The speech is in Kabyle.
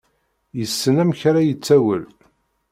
Yessen amek ara iṭawel.